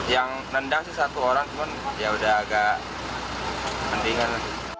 yang mendadak satu orang pun ya sudah agak mendingan